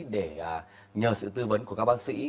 để nhờ sự tư vấn của các bác sĩ